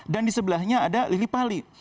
dan di sebelahnya ada lily pali